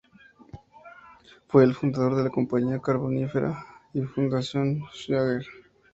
Fue el fundador de la Compañía Carbonífera y de Fundición Schwager.